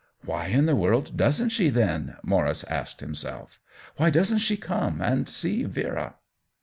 Why in the world doesn't she, then ?" Maurice asked himself ; "why doesn't she come and see Vera?"